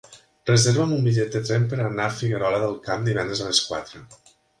Reserva'm un bitllet de tren per anar a Figuerola del Camp divendres a les quatre.